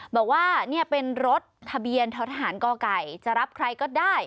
บอกว่านี่เป็นรถทะเบียนท้อทหารกไก่จะรับใครก็ได้